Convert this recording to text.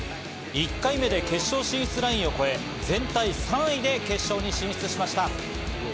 １回目で決勝進出ラインを超え、全体３位で決勝に進出しました。